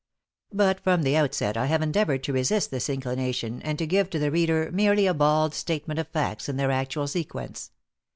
But from the outset I have endeavored to resist this inclination and to give to the reader merely a bald statement of facts in their actual sequence.